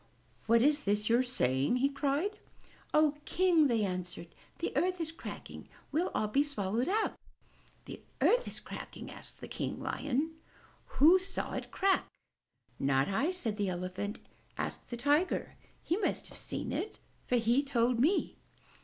''What is this you are saying?'' he cried. "Oh, King!" they answered. "The earth is cracking! We'll all be swallowed up!" "The earth is cracking?" asked King Lion. "Who saw it crack?" "Not I," said the Elephant. "Ask the Tiger. He must have seen it, for he told me!"